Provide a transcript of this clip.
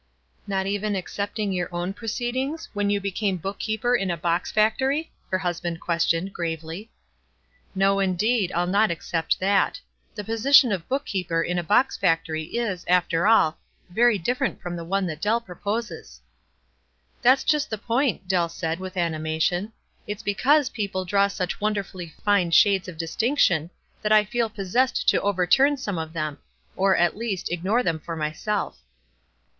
"Not even excepting your own proceedings, when you became book keeper in a box fac tory?" her husband questioned, gravely. "No, indeed — I'll not except that ; the po sition of book keeper in a box factory is, after all, very different from t.lv» on^, that Dell pro poses." WISE AKD OTHERWISE. 211 "That's just the point," Dell said, with ani mation. "It's because people draw such won derfully line shades of distinction, that 1 feel possessed to overturn some of them, or, at least, ignore them for myself."